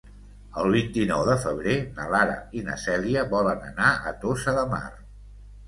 El vint-i-nou de febrer na Lara i na Cèlia volen anar a Tossa de Mar.